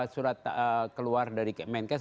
surat keluar dari kemenkes